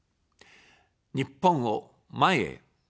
日本を、前へ。